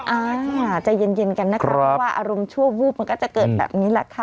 อ่าใจเย็นกันนะคะเพราะว่าอารมณ์ชั่ววูบมันก็จะเกิดแบบนี้แหละค่ะ